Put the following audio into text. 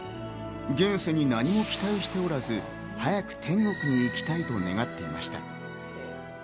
現世に何も期待しておらず、早く天国に行きたいと願っていました。